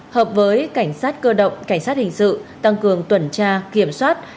hợp với cảnh sát cơ động cảnh sát hình sự tăng cường tuần tra kiểm soát